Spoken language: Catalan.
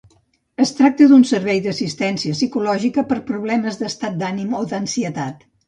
Es tracta d'un servei d'assistència psicològica per als problemes d'estat d'ànim o d'ansietat.